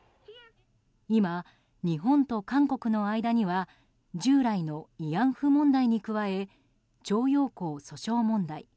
今、日本と韓国の間には従来の慰安婦問題に加え徴用工訴訟問題